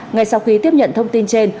ngày sau khi tiếp nhận thông tin trên